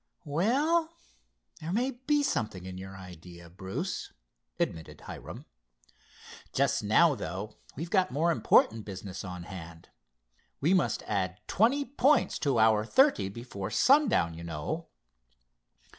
"Well, there may be something in your idea, Bruce," admitted Hiram. "Just now, though, we've got more important business on hand. We must add twenty points to our thirty before sundown, you know."